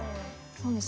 そうです。